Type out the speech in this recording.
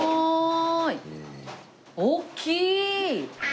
大きい！